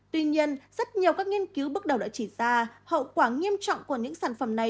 tuy nhiên rất nhiều các nghiên cứu bước đầu đã chỉ ra hậu quả nghiêm trọng của những sản phẩm này